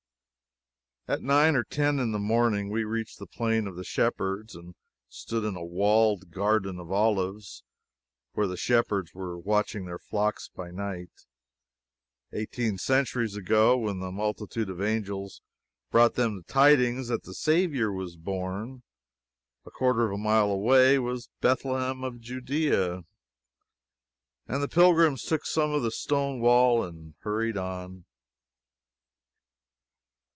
At nine or ten in the morning we reached the Plain of the Shepherds, and stood in a walled garden of olives where the shepherds were watching their flocks by night, eighteen centuries ago, when the multitude of angels brought them the tidings that the Saviour was born. A quarter of a mile away was Bethlehem of Judea, and the pilgrims took some of the stone wall and hurried on.